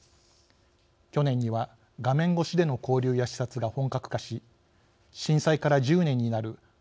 去年には画面ごしでの交流や視察が本格化し震災から１０年になる東北